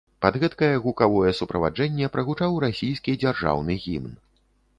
Пад гэткае гукавое суправаджэнне прагучаў расійскі дзяржаўны гімн.